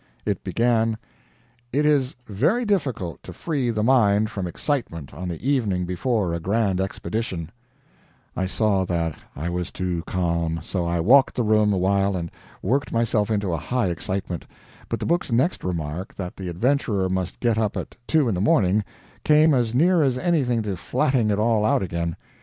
It began: "It is very difficult to free the mind from excitement on the evening before a grand expedition " I saw that I was too calm; so I walked the room a while and worked myself into a high excitement; but the book's next remark that the adventurer must get up at two in the morning came as near as anything to flatting it all out again.